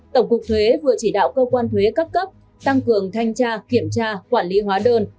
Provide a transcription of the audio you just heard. tổng cục thuế vừa chỉ đạo cơ quan thuế các cấp tăng cường thanh tra kiểm tra quản lý hóa đơn